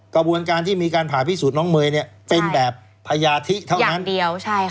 กระบวนการที่มีการผ่าพิสูจน์น้องเมยเป็นแบบพยาธิเท่านั้นอย่างเดียว